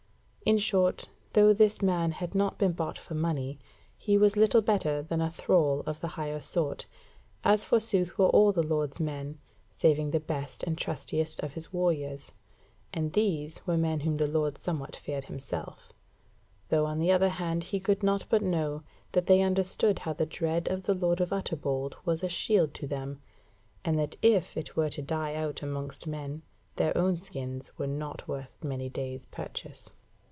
In short, though this man had not been bought for money, he was little better than a thrall of the higher sort, as forsooth were all the Lord's men, saving the best and trustiest of his warriors: and these were men whom the Lord somewhat feared himself: though, on the other hand, he could not but know that they understood how the dread of the Lord of Utterbol was a shield to them, and that if it were to die out amongst men, their own skins were not worth many days' purchase.